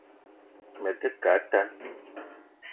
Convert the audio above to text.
Me te ke a tan